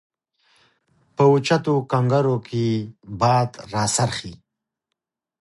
په اوچتو کنګرو کې باد راڅرخي